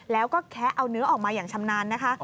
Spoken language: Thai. แล้วก็แคะเอาเนื้อออกมาอย่างชำนาญนะคะ